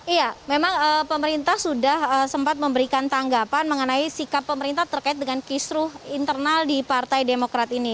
iya memang pemerintah sudah sempat memberikan tanggapan mengenai sikap pemerintah terkait dengan kisruh internal di partai demokrat ini